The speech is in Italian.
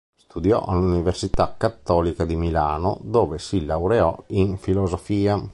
Studiò all'Università Cattolica di Milano, dove si laureò in filosofia.